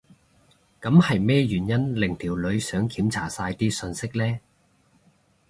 噉係咩原因令條女想檢查晒啲訊息呢？